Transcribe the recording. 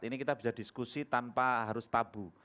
ini kita bisa diskusi tanpa harus tabu